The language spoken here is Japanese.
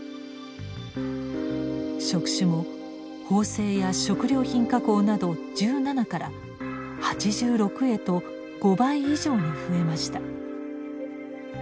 職種も縫製や食料品加工など１７から８６へと５倍以上に増えました。